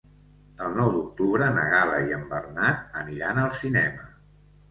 El nou d'octubre na Gal·la i en Bernat aniran al cinema.